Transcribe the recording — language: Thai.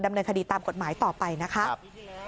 ดำเนินคดีตามกฎหมายต่อไปนะคะ